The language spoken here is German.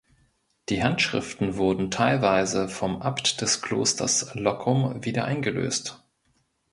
Die Handschriften wurden teilweise vom Abt des Klosters Loccum wieder eingelöst.